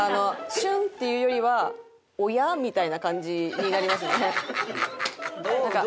「しゅん」っていうよりは「おや？」みたいな感じになりますね。